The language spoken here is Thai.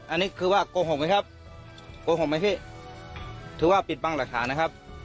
อันนี้คือว่าโกหกไหมครับโกหกไหมพี่ถือว่าปิดบังหลักฐานนะครับ